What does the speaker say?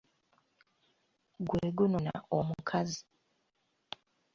Gwe gunona omukazi.